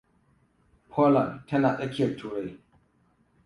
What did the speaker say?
Poland tana tsakiyar Turai.